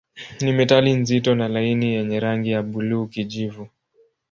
Ni metali nzito na laini yenye rangi ya buluu-kijivu.